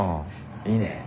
いいね。